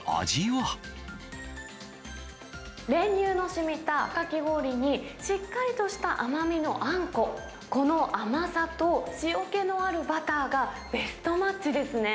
練乳のしみたかき氷に、しっかりとした甘みのあんこ、この甘さと塩けのあるバターがベストマッチですね。